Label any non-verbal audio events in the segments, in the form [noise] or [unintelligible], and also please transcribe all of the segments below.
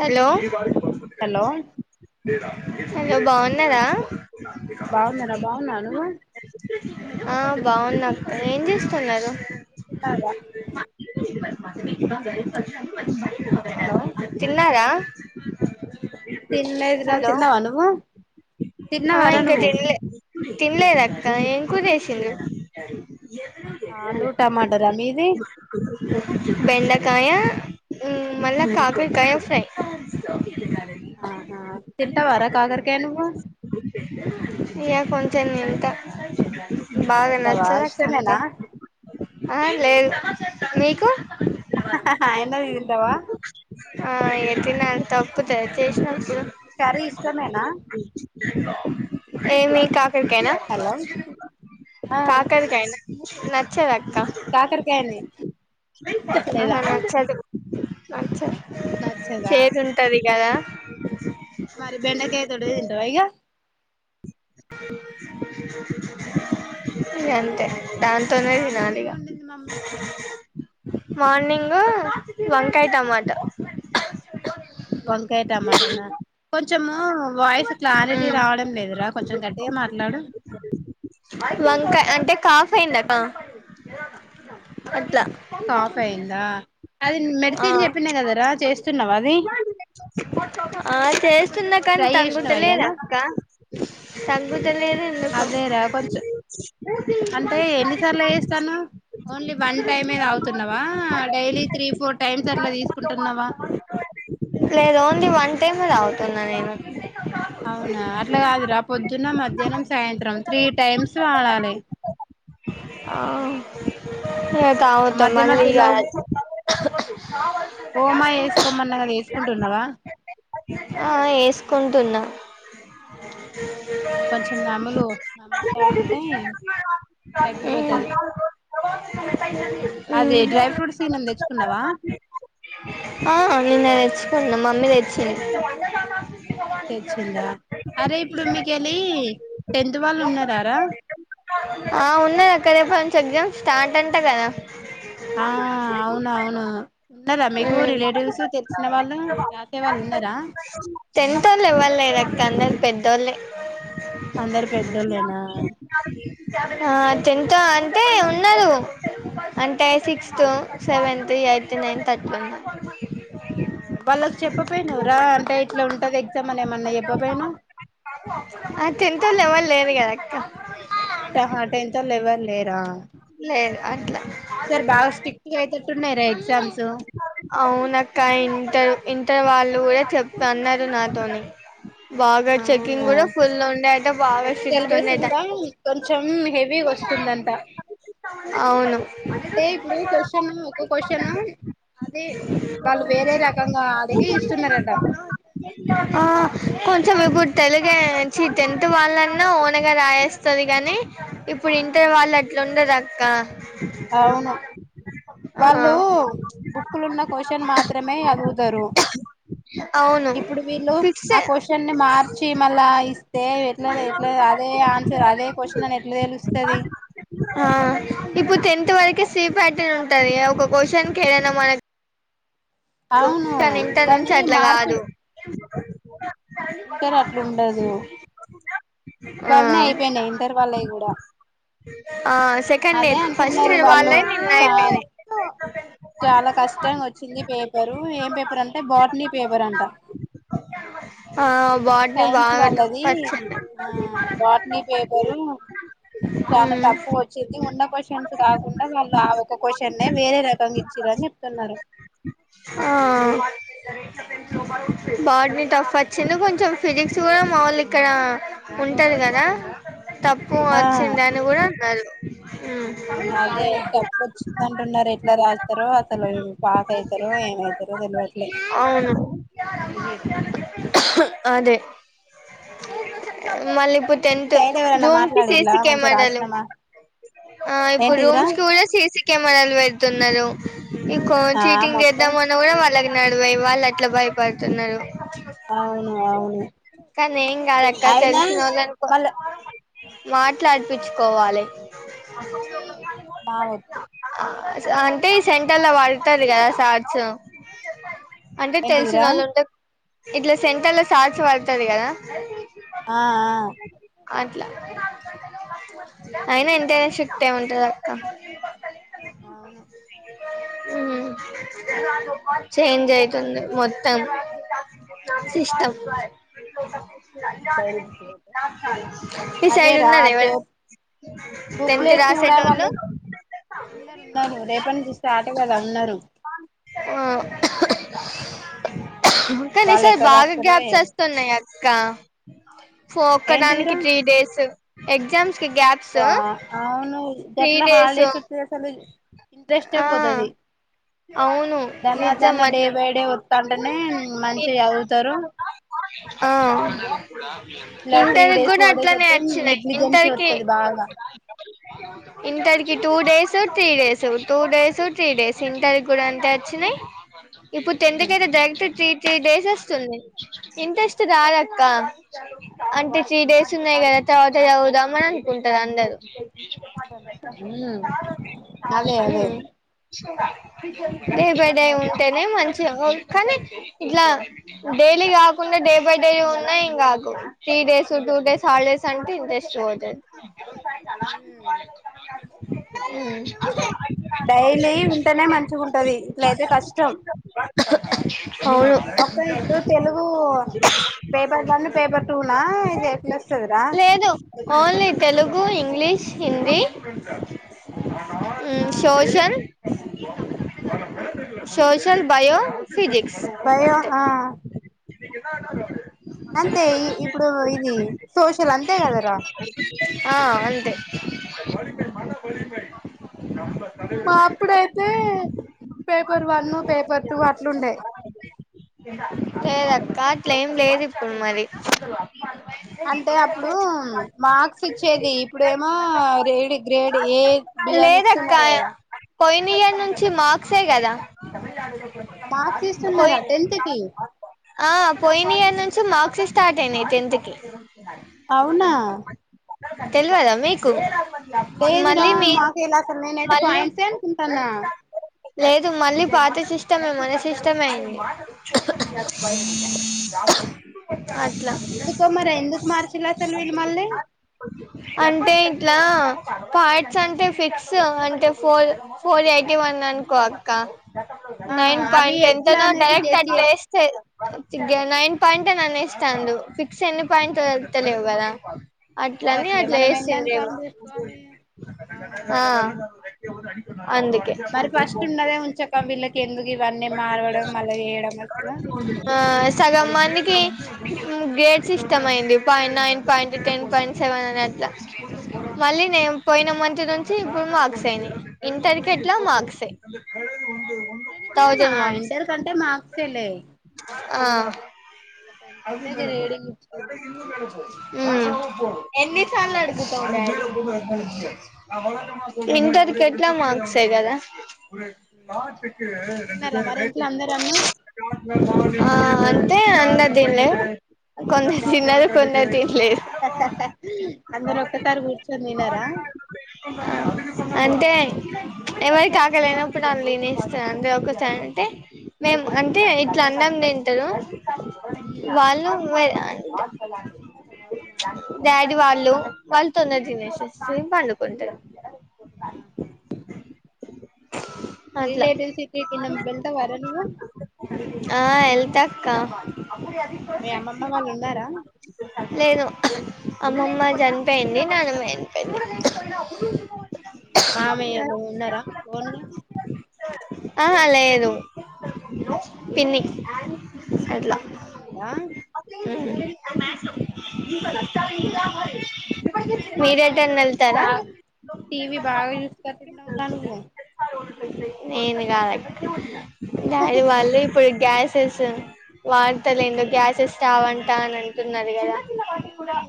Hello hello hello బాగున్నారా ఆ బాగున్నార బాగున్నా నువ్వు బావున్నాం ఏం చేస్తున్నారు తిన్నగా మా మీకు గరి పక్షం మంచి హలో ది తిన్నారా తినలేదు రా హలో తిన్నావ నువ్వు ఆ తిన్నావారా ఇంకా నువ్వు తినలే తిన్లేద ఏం కురచేసిండు సర ఆలూ టమాటర మీది బెండకాయ మళ్ళా కాకరకాయ ఫ్రై ఆహా తింటావారా కాకరకాయ నువ్వు ఇయ కొంచెం ఇంత బాగా తింటావా నచ్చద్ అంతే ఇష్టమేనా ఆ లేదు నీకు ఎన్నది ఉంటావా ఆ ఏది నా తప్పు దయచేసిన కర్రీ ఇష్టమేనా ఏమి కా కనా హలో ఆ కాకరకాయనా నచ్చరా కాకరకాయనే లేదా అచ్చా నచ్చదా చేదు ఉంటది కదా మరి బెండకాయ దొడ్డ తింటవ యిగా బెండకాయ ఇగ అంతే దాంతోనే మార్నింగ్ ఏం తినాలిగా వండింది మమ్మీ మార్నింగ్ వంకాయ్, టమాట వంకాయ టమాటన కొంచ్ కొంచెము వయసు క్లారిటీ రావడం లేదురా కొంచెం గట్ ఏ మాట్లాడు వంకాయ అంటే కాఫ్ అయిందకా అట్లా కాఫ్ అయిందా అది ఆ మెడిసిన్ చెప్పినా కదరా చేస్ తిన్నావ అది ఆ కే వస్తున్నా కానీ ట్రై చేసినావా తగ్గుతలేదు. ఇయ్యాల అక్క తగ్గుతలేదు ఎందుకో అదేరా కొంచెం అంటే ఎన్నిసార్లు చేస్తానవ్ ఓన్లీ వన్ టైమ్ తాగుతున్నవా డైలీ త్రీ ఫోర్ టైమ్స్ అట్లా తీసుకుంటున్నవా లేదు ఓన్లీ వన్ టైమ్ మే తాగుతున్నా నేను అవునా అట్లా కాదురా పొద్దున్న, మధ్యాహ్నం, సాయంత్రం త్రీ టైమ్స్ వాడాలి. ఆ ఏత ఆ ఆగుత మధ్య మల్ గ మధ్యలో కుంటున్నావా ఆ వేసుకుంటున్నా కొంచెం నములు నముల్ తా ఉంటే తగ్గిపోతుది హు ఫ్రూట్స్ ఏమైనాతెచ్చుకున్నావా ఆ నిేన్న తెచ్చుకునా మమ్మీ తెచ్చింది తెచ్చిందా అరే ఇప్పుడు మీక వెళ్ళి టెన్త్ వాళ్ళు ఉన్నారారా ఆ ఉన్నారు అక్కడే రేపు నుంచి ఎగ్జామ్ స్టార్ట్ అంటా కదా ఆ అవున అవును ఆ ఉన్నారా మీకు రిలేటివ్స్ తె లీసిన వాళ్ళు రాసే వాళ్ళు ఉన్నారా టెన్త్ వాళ్ళె ఎవరు లేర్ అక్క అందర్ పెద్దోలే అందరు పెద్దోళ్ళేనా హా టెన్త్ అంటే ఉన్నారు అంటే సిక్స్త్ సెవెంతత్ ఎయిత్ నైన్త్ అట్లా ఉన్నారు ఆ వాళ్ళ చెప్పపోయినావరా అంటే ఇట్లా ఉంటుంది ఎగ్జామ్ అని ఏమన్నా చెప్పపోయినవ్ ఆ టెన్త్ ఒళ్ళు ఎవరు లేర్ కదా అక్క ఆహా టన్ తోలు ఎవరు లేరా లేదు అట్లా ఈ సారి బాగా స్ట్రిక్ట్గా అయితేట్టున్నాార ఎగ్జామ్స్ అవున అక్క ఇంటర్ ఇంటర్ వాళ్ళు కూడా చెప్తా అన్నారు నాతోని బాగా చెకింగ్ అవునా కూడా ఫుల్ ఉండేట బాగా స్ట్రిక్ట్ సిలబస్ ఉండేట కూడా కొంచెం హెవీ వస్తుందంట అవును అంటే ఇప్పుడు క్వశ్చను ఒక క్వశ్చను అది వాళ్ళు వేరే రకంగా అడిగి ఇస్తున్నారట ఆ కొంచెం ఇప్పుడు తెలుగంచి టెన్ట్ వాళ్ళన్నా ఓనగా రాయేస్తుంది కానీ ఇప్పుడు ఇంటర్ వాళ్ళు అట్లా ఉండదా అవును ఆ ఇహ ఆహ బుక్లు ఉన్న క్వశ్చన్ మాత్రమే చదువుతరు అవును ఇప్పుడు వీళ్ళు ఫిక్స్ ఆ క్వశ్చన్ ని మార్చి మళ్ళా ఇస్తే ఎట్లా ఎట్లా అదే ఆన్సర్ అదే క్వశ్చన్ అని ఎట్లా తెలుస్తది ఆ ఉంటంది ఒక క్వశ్చన్ కేే నమాన కు అవును తన ఇంటర్ నుంచి దాన్ని అట్లా కాదు మార్పిడి ఆ ఇంటర్ అట్లు ఉండదు ఆ ఇవాళనే అయిపోయినాయి ఇంటర్ వాళ్ళవి కూడా ఆ సెకండ్ అదే ఇయర్ ఫస్ట్ అంటున్నారు ఇయర్ వాళ్ళు వాళ్ళే నిన్న చ అయిపోయినాయి చాలా కష్టంగా వచ్చింది పే పరు ఏం పేపర్ అంటే బాటనీ పేపర్ అంట ఆ బాటిని సైన్స్ బాగా టఫ్ వాళ్ళది వచ్చింది ఆ బాటనీ పేపరు చాలా ఉమ్ తఫ వచ్చింది ఉన్న క్వశ్చన్స్ కాకుండా వాళ్ళు ఆ ఒక క్వశ్చన్ వేరే రకంగా ఇచ్చారుని చెప్తున్నారు ఆ బటని టఫ్ చిన్న కొంచెం ఫిజిక్స్ కూడా మాములుు ఇక్కడ ఉంటది కదా తప్పు వచ్చింది అని కూడా న అహ అలాగే టఫ్ వచ్చిందంటున్నారు ఎట్లా రాస్తారో అసలు పాక అయితారు అవును ఆ మళ్ళీ ఇప్పుడు మీ టెన్ట్ సైడ్ ఎవరన్నా రూమ్ కి మాట్లాడిలా సిసి మంచిగా కెమెరాలు రాసినమా ఇప్పుడు ఏంటిదిరా రూమ్స్ కి కూడా సీసి కెమెరాలు పెడుతున్నారు ఆ ఇంకోంచి ంగ్ మొత్తం చేద్దాం అ కూడా వాళ్ళకి నడువే వాళ్ళ ఎట్లా భయపడుతున్నారు అవును అవును కానీ ఏం అయినా మళ్ళా మాట్లాడిపించు కోవాలి మా వద్దు అంటే సె ఇలా వాడతదిగద చార్చ అంటే తెలిసిన ఏంటిదిరా వాళ్ళు ఉంటే ఇట్లా సెంటర్ లో సార్స్ పడుతది కదా ఆ ఆ అట్లా అయినా ఎంతేషక్ ట ఉంట జత ఆవును ఎద ర చేంజ్ అయితుంది మొత్తం అ సిస్టమ్ ఈ అదే సైడ్ రా ఉన్నారా పే ఎవరైనా టెన్త్ బుక్లెట్స్ కూడా రాసేటోళ్ళు. వాళ్ళు ఉన్నారు ఉన్నారు రేపటి నుంచి స్టార్ట్ కదా ఉన్నారు ఆ కానీ వాళ్ళు ఈసారి ఎక్కడ బాగా రాస్తారో గ్యాప్స్ ఏమో వస్తున్నాయి అక్క ఒక్కదానికి ఏంటిదిరా త్రీ డేస్. ఎగ్జామ్ ఆ అవును త్రీ గట్ల డేస్ హల్డేస్ ఇస్తే అసలు ఇంట్రెస్ట్ ఏ ఆ పోతది. అవును దాన్న నిజం దాన్న డే అక్క బై డే వత్తాంటేనే మంచిగా చదువుతారు ఆ ఇట్లా త్రీ ఇంటరికి డేస్ కూడా ఫోర్ డేస్ అట్లానే వస్తే వచ్చినాయి నెగ్లిజెన్సీ ఇంటరికి వత్తది బాగా ఇంటర్కి two days three days two days three days centre కూడా అంతే వచ్చినాయి ఇప్పుడు టెన్త్ ఉమ్ కైతే [unintelligible] త్రీ డేస్ వస్తుంది ఇంట్రెస్ట్ రాదక్క అంటే త్రీ డేస్ ఉన్నాయి కదా తర్వాత చద దామనుకుంటారు అందరు హ్మ్మ్ అదే అదే [unintelligible] డే బై డే ఉంటేనే మంచి ఓల్ కానీ ఇట్లా డైలీ కాకుండా డైలీ పర్ డే ఉన్న ఏం కాదు three days two days holidays అంటే ఇంట్రెస్ట్ పోతది ఉమ్ హ్మ్మ్ వెళ్లి ఉంటేనే మంచిగా ఉంటది ఇట్లయితే కష్టం అవును ఒక్కలు ఇప్పుడు తెలుగు పేపర్ వన్ పేపర్ టూనా ఇది అట్లా వస్తదిరా. లేదు ఓన్లీ తెలుగు ఇంగ్లీష్ హిందీ హ్మ్మ్ ఆ social social bio physics bio అంతే ఆ ఇక ఎన్నా అన్నాడు అంతే ఈ ఇప్పుడు ఇది సోషల్ అంతే కదరా ఆ అంతే [unintelligible] నంబర్ [unintelligible] ఇప్పుడైతే పేపర్ వన్ పేపర్ టూ అట్లుండే కాట్ల ఏం లేదు ఇప్పుడు మరి అంటే అప్పుడు మార్క్స్ ఇచ్చేది ఇప్పుడేమో రే గ్రేడ్ ఏ బి అని ఇస్తున్నారు కదా పోయినియర్ నుంచి మార్క్సే కదా మార్క్స్ పోయి ఇస్తున్నారా టెన్త్ కి ఆ పోయిన ఇయర్ నుంచి మార్క్స్ స్టార్ట్ అయినాయి టెన్త్ కి అవునా [unintelligible] తెలవదా మీకు లేదు రా మళ్ళీ మీ మాకు ఎలా నేనైతే మళ్ళీ పాయింట్స్ ఏం క్కనా లేదు మళ్ళీ పాత షిష్టమే మనే సిష్టటమంది [inaudible] అవునా [inaudible] ఎందుకో మరి ఎందుకు మార్చిలా అసలు విీళ మళ్ళీ ఇలా పార్ట్స్ అంటే ఫిక్స్ అంటే ఫోల్ ఫోర్ ఎయిటీ వన్ అనుకో అక్క ఆ నైన్ అవి పాయింట్ టెన్ త ఎట్లా నా అనేది డైరెక్ట్ గెస్ చే అట్లా వేస్తే నైన్ పాయింటే నన్ను [unintelligible] ఎన్ని అవును పాయింట్తలేవు కదా అట్లని తెలవట్లే అట్లా మనం ఎన్నాని వేసిందిే కౌంట్ చేసుకోవాలి అవునవును [unintelligible] మరి ఫస్ట్ ఉన్నదే ఉంచక వీళ్ళకి ఎందుకు ఇవన్నీ మారవడం అలా వేయడం అసలు ఆ సగం మందికి గ్రేడ్స్ ఇష్టం అయింది point nine point ten point seven అని అట్లా మళ్ళీ అవును నేను పోయిన మంత్ నుంచి ఇప్పుడు మార్క్స్ అయినై ఇంటర్క ఎట్లా మాక్ మార్క్సే ఇంటర్ది కూడా మా థౌజండ్ మార్క్స్ ఇంటర్ కంటే మార్క్సేలే ఆ టెన్త్ అది అయితే ఇగ మేడంపో రీడింగ్ అ ఇచ్చేది ఇ మేడ పోంది ఎన్నిసార్లు అడుగుతా ఉన్నా ఇంటర్ కి ఎట్లా మార్క్సే కదా పాటకి తిన్నారా మరి ఇంట్లో అందరు అన్నం ఆ అంతే అంద [unintelligible] అందరు ఒక్కసారి కూర్చొని దిన్నారా అంటే ఎవరికి ఆకలైనప్పుడు ఆళ్ళు దినేస్తారు అందరు ఒసారి అంటే మేము ఆ అంటే ఇట్లా ఉమ్ అన్నాం దిను టలో వాళ్ళు వె అంట కదా అవునా డాడీ వాళ్ళు వాళ్ళుతోనే తినేసేసి పండుకుంటారు ఆ హా అట్లా రిలేటివ్స్ [unintelligible] వెళ్తవారా నువ్వు ఆ ఎల్త అక్క మీ అమ్మమ్మ వాళ్ళు ఉన్నారా నేను అమ్మమ్మ చనిపోయింది నానమ్మ చనిపోయింది మామయ్య లు ఉన్నారా ఓనుగా అహా లేదు అవునా పిన్ని అట్లా పిన్ని ఉందా ఉ టివి వెళ్తారా బ టీ వి బాగా చూసేటట్టు ఉన్నావ్ గా నువ్వు నేను గాదు అక్క డాడి వాళ్ళు ఇప్పుడు గ్యాస్ తెసు వార్తల్ ఏందో గ్యాసెస్ రావంటా అని అంటున్నారు గదా ఆ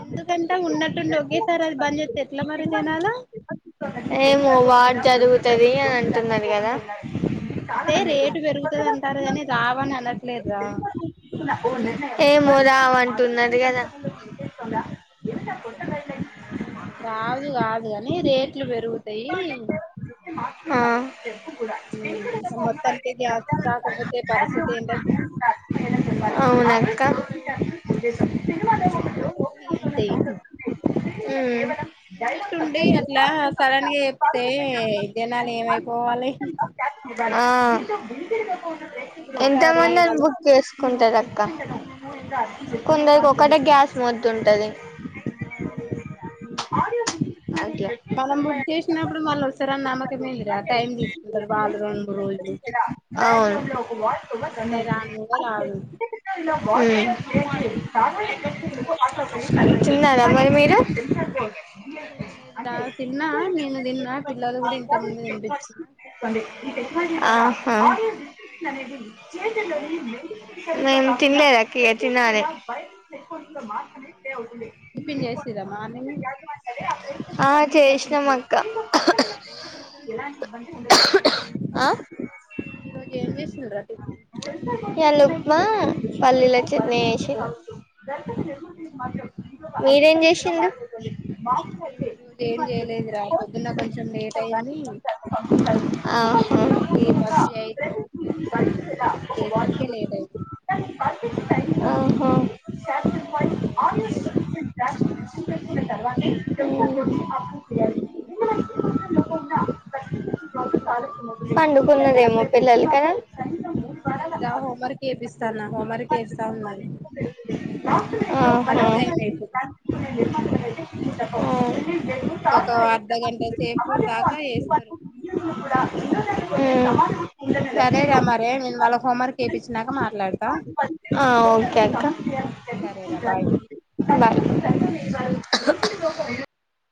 ఎందుకంటే ఉన్నట్టుండి ఒకేసారి అది బంద్ చేస్తే ఎట్లా మరి జనాలు జరుగుతుది అని అంటున్నారు గదా అంతే రేటు పెరుగుతది అంటారు గని రావని అనట్లేదు గా ఏమ్ నువ్వు రావు అంటున్నడు గదా రాదు గాదు గని రేట్లు పెరుగుతయి ఆ టెంపు కూడామ్ మొత్తానికి గ్యాస్ రాకపోతే పరిస్థితి ఏంటి అసలు అ అవునా అక్క ఆ ఎక్కడ వండుకుంటారు ఏంటి ఉన్నట్టుండి అట్లా సడన్ గా జెప్తే జనాలు ఏమైపోవాలి ఆ ఎంత ఒక్కసారి మంది వాళ్ళు ఓకే ఉంటధాక్క ఆ కుంద కోక్కంట గ్యాస్ మొద్దుంటుంది ఆ అవును అ మనం బుక్ చేసినప్పుడు మళ్ళ వస్తార నమ్మకంలే రా టైం తీసుకుంటారు వాళ్ళు రెండు రోజులు అదేమంటే రా అరాడు తిన్నారా మరి మీరు తినలేదు రా తిన్నా నేను తిన్నా పిల్లలు కూడా ఇంత ముంది తినిపించన్నా ఆహా జయ జల మీరు మేం తిినలేకీ తినాల చెెక్కంత మాత్రమవదులే చె టిఫిన్ చేసిరా మార్నింగ్ ఆ చేసినాం చేస్తా అక్క ఏంటిది ఈరోజు ఆ ఈ రోజు ఏం చేసిండ్రా టిఫిన్ ఎల ఉప్మా పల్లిలో చెట్నీ చేసిన మీరేం చేసింది ఈ రోజు ఏం చేయలేదు రా పొద్దున్న కొంచెం లేట్ అయింది ఆహా వీళకి బస్ లేట్ వస్తధ అన్నము గడి చేసరికిే లేట్ అయింది ఆహా ఎం తినలే ఇంకా పండు పూర్ణద పిల్లల కె లేదు రా హోంవర్క్ చేపిస్తానా హోంవర్క్ చేస్తా ఉన్నా ఆహా. హోంవర్క్ టైం అ ఆ. ఇంకొక అర్ధ గంట సేపు దాకా వెస్తారు సరేరా మరే నేను మళ్ళ హోంవర్క్ చేయిించినాక మాట్లాడతా సరేరా బాయ్